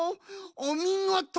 おみごと！